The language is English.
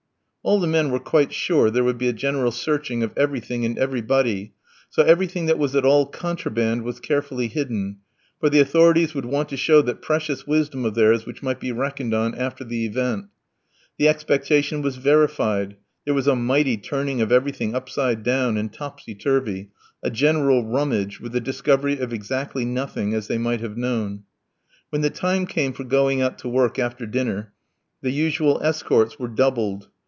All the men were quite sure there would be a general searching of everything and everybody; so everything that was at all contraband was carefully hidden; for the authorities would want to show that precious wisdom of theirs which may be reckoned on after the event. The expectation was verified; there was a mighty turning of everything upside down and topsy turvy, a general rummage, with the discovery of exactly nothing, as they might have known. When the time came for going out to work after dinner the usual escorts were doubled.